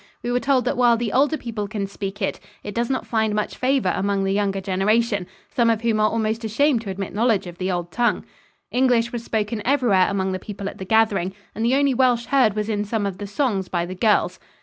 We were told that while the older people can speak it, it does not find much favor among the younger generation, some of whom are almost ashamed to admit knowledge of the old tongue. English was spoken everywhere among the people at the gathering, and the only Welsh heard was in some of the songs by the girls.